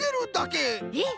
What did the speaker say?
えっ？